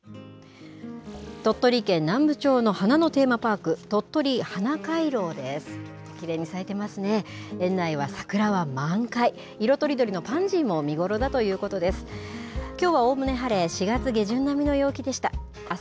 鳥取県南部町の花のテーマパークとっとり花回廊です。